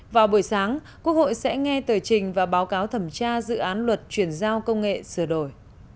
vào buổi sáng quốc hội sẽ nghe tờ trình và báo cáo thẩm tra dự án luật chuyển giao công nghệ sửa đổi